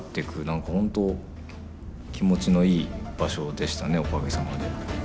何か本当気持ちのいい場所でしたねおかげさまで。